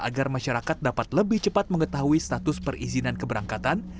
agar masyarakat dapat lebih cepat mengetahui status perizinan keberangkatan